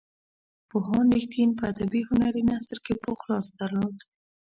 پوهاند رښتین په ادبي هنري نثر کې پوخ لاس درلود.